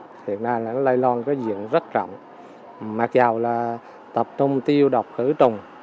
hiện nay là lây lon có diện rất rộng mặc dù là tập trung tiêu độc khử trùng